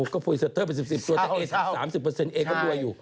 ก็พูดซะเทอะไป๑๐ตัวเอ๊๓๐เปอร์เซ็นต์เอ๊ก็ดัวอยู่